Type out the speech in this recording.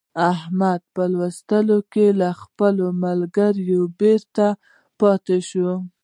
احمد په لوستونو کې له خپلو ملګرو بېرته پاته شو.